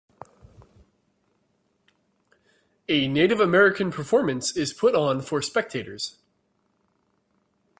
A Native American Performance is put on for spectators